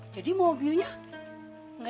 jadi mobilnya abang spuk